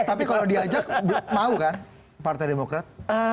tapi kalau diajak mau kan partai demokrat